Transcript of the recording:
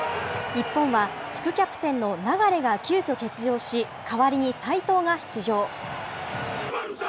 日本は副キャプテンの流が急きょ、欠場し、代わりに齋藤が出場。